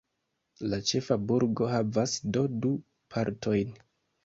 La ĉefa burgo havas do du partojn.